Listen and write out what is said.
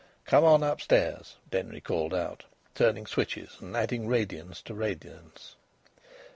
"Come on upstairs," Denry called out, turning switches and adding radiance to radiance.